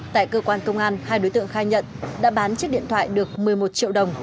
tại cơ quan công an hai đối tượng khai nhận đã bán chiếc điện thoại được một mươi một triệu đồng